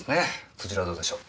そちらはどうでしょう？